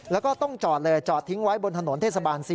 แล้วก็ต้องจอดเลยจอดทิ้งไว้บนถนนเทศบาล๔